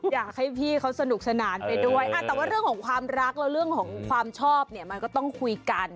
อยากให้พี่เขาสนุกสนานไปด้วยแต่ว่าเรื่องของความรักแล้วเรื่องของความชอบเนี่ยมันก็ต้องคุยกัน